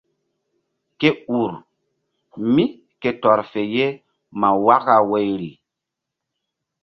Ke ur mí ke tɔr fe ye ma waka woyri.